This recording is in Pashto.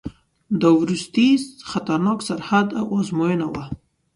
دا وروستی خطرناک سرحد او آزموینه وه.